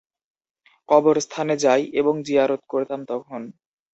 কবরস্থানে যাই এবং জিয়ারত করতাম তখন।